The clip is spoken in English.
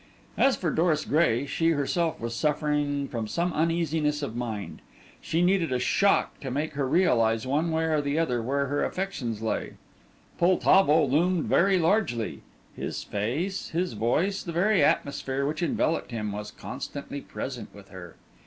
As for Doris Gray, she herself was suffering from some uneasiness of mind. She needed a shock to make her realize one way or the other where her affections lay. Poltavo loomed very largely; his face, his voice, the very atmosphere which enveloped him, was constantly present with her.